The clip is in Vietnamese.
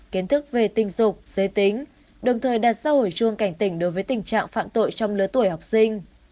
dục giới tính đồng thời đạt ra hồi chuông cảnh tỉnh đối với tình trạng phạm tội trong lứa tuổi học sinh